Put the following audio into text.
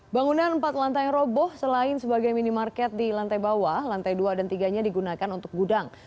bangunan empat lantai roboh selain sebagai minimarket di lantai bawah lantai dua dan tiga nya digunakan untuk gudang